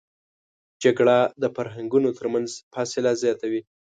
جګړه د فرهنګونو تر منځ فاصله زیاتوي